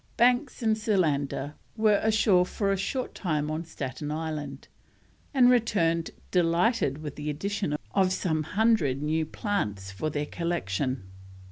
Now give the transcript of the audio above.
Banks and Solander were ashore for a short time on Staten Island, and returned delighted with the addition of some hundred new plants for their collection.